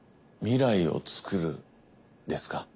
未来を作るですか？